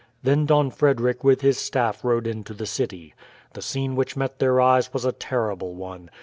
Then Don Frederick with his staff rode into the city. The scene which met their eyes was a terrible one.